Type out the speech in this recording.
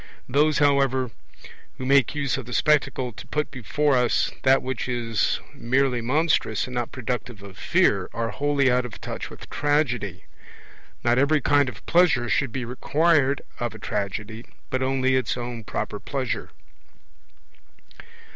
Those, however, who make use of the Spectacle to put before us that which is merely monstrous and not productive of fear, are wholly out of touch with Tragedy; not every kind of pleasure should be required of a tragedy, but only its own proper pleasure.